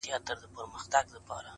دي تږي تږي ټول کټ مټ د تږي زمکي په څېر